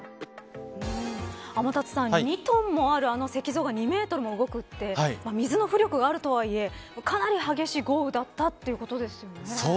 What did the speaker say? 天達さん、２トンもあるあの石像が２メートルも動くって水の浮力があるとはいえかなり激しい豪雨だったということですよね。